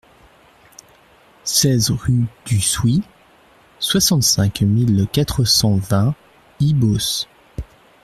seize rue du Souy, soixante-cinq mille quatre cent vingt Ibos